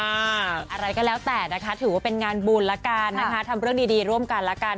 อะไรก็แล้วแต่นะคะถือว่าเป็นงานบุญละกันนะคะทำเรื่องดีร่วมกันละกัน